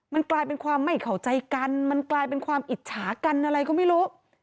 มันกลายเป็นความไม่เข้าใจกันมันกลายเป็นความอิจฉากันอะไรก็ไม่รู้